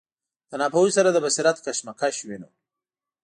له ناپوهۍ سره د بصیرت کشمکش وینو.